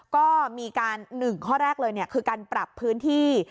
ก็มีการ๑ข้อแรกเลยคือการปรับพื้นที่